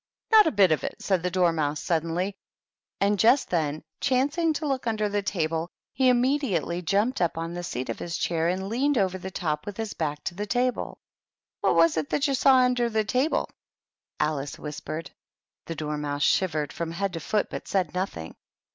" Not a bit of it," said the Dormouse, suddenly ; and just then chancing to look under the table, he immediately jumped up on the seat of his chair and leaned over the top with his back to the table. " What was it that you saw under the table ?" Alice whispered.. The Dormouse shivered from head to foot, but said nothing.